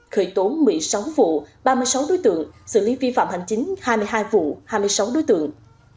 công an tp hcm đã khởi tố một mươi sáu vụ ba mươi sáu đối tượng xử lý vi phạm hành chính hai mươi hai vụ hai mươi sáu đối tượng